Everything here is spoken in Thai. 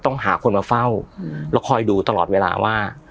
ต้องหาคนมาเฝ้าแล้วคอยดูตลอดเวลาว่า